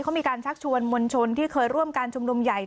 เขามีการชักชวนมวลชนที่เคยร่วมการชุมนุมใหญ่